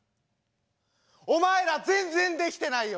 お前ら全然できてないよ。